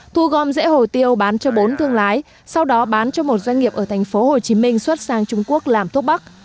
thu gom rễ hồ tiêu bán cho bốn thương lái sau đó bán cho một doanh nghiệp ở thành phố hồ chí minh xuất sang trung quốc làm thuốc bắc